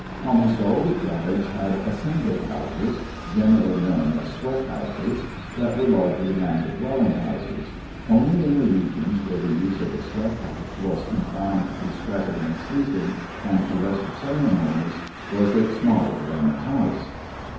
Almost all the tribes had assembly houses, generally known as sweat houses, that were larger than the dwelling houses. Only in the regions where the use of the sweat house was confined to sweating and sleeping and to lesser ceremonies, was it smaller than the house.